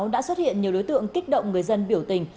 đã xuất hiện nhiều đối tượng kích động người dân biểu tình